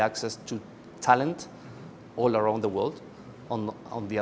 akses ke talentus di seluruh dunia